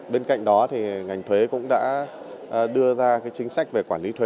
bên cạnh đó thì ngành thuế cũng đã đưa ra chính sách về quản lý thuế